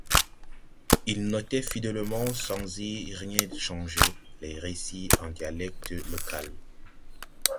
Ils notaient fidèlement, sans y rien changer, les récits en dialecte local.